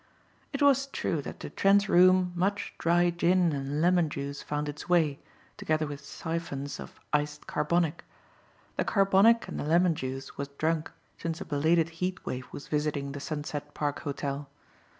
It was true that to Trent's room much dry gin and lemon juice found its way, together with siphons of iced carbonic. The carbonic and the lemon juice was drunk since a belated heat wave was visiting the Sunset Park Hotel.